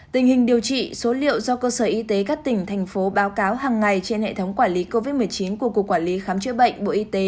tình hình điều trị số liệu do cơ sở y tế các tỉnh thành phố báo cáo hàng ngày trên hệ thống quản lý covid một mươi chín của cục quản lý khám chữa bệnh bộ y tế